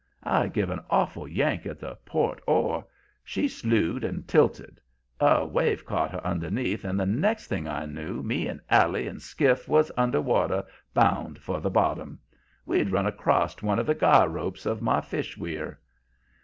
I give an awful yank at the port oar; she slewed and tilted; a wave caught her underneath, and the next thing I knew me and Allie and the skiff was under water, bound for the bottom. We'd run acrost one of the guy ropes of my fish weir.